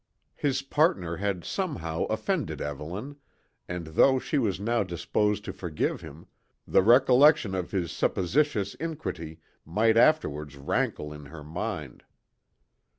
His partner had somehow offended Evelyn, and though she was now disposed to forgive him, the recollection of his suppositious iniquity might afterwards rankle in her mind.